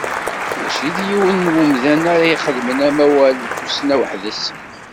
Mačči d yiwen n wemdan ara ixedmen amawal n tussna weḥd-s.